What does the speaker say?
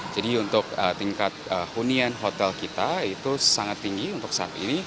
jadi untuk tingkat hunian hotel kita itu sangat tinggi untuk satu